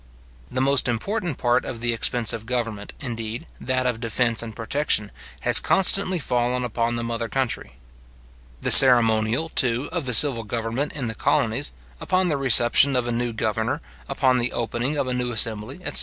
The most important part of the expense of government, indeed, that of defence and protection, has constantly fallen upon the mother country. The ceremonial, too, of the civil government in the colonies, upon the reception of a new governor, upon the opening of a new assembly, etc.